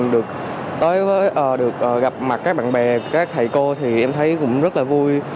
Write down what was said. được gặp mặt các bạn bè các thầy cô thì em thấy cũng rất là vui